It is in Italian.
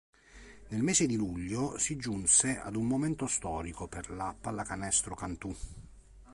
Nel mese di luglio si giunse ad un momento storico per la Pallacanestro Cantù.